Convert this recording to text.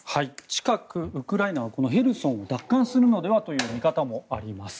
近くウクライナはこのヘルソンを奪還するのではという見方もあります。